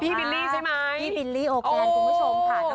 พี่บิลลี่ใช่ไหมโอเคันคุณผู้ชมค่ะโอ้สุดยอด